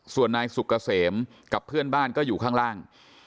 ส่วนนายสุกเกษมกับเพื่อนบ้านก็อยู่ข้างล่าง